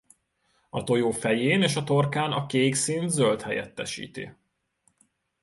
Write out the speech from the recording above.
A tojó fején és a torkán a kék színt zöld helyettesíti.